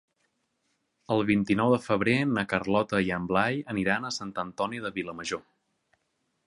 El vint-i-nou de febrer na Carlota i en Blai aniran a Sant Antoni de Vilamajor.